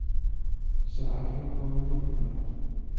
ساعتم کار نمیکند.